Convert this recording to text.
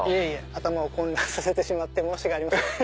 頭を混乱させてしまって申し訳ありません。